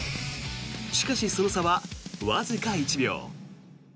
しかし、その差はわずか１秒。